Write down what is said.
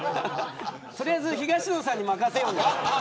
取りあえず東野さんに任せよう。